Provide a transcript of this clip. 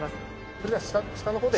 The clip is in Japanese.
それでは下の方で。